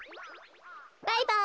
バイバイ。